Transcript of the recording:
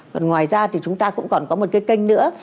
còn ngoài ra thì chúng ta cũng còn có một cái kênh nữa